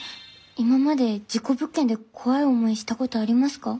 今まで事故物件で怖い思いしたことありますか？